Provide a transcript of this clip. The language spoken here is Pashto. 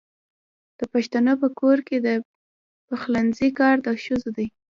د پښتنو په کور کې د پخلنځي کار د ښځو دی.